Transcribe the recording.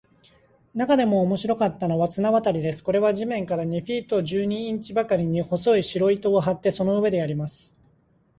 なかでも面白かったのは、綱渡りです。これは地面から二フィート十二インチばかりに、細い白糸を張って、その上でやります。